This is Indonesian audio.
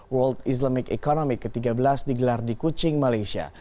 world islamic economy ke tiga belas digelar di kuching malaysia